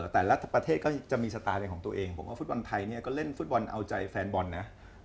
แต่ละประเทศก็จะมีสไตล์เป็นของตัวเองผมว่าฟุตบอลไทยเนี่ยก็เล่นฟุตบอลเอาใจแฟนบอลนะ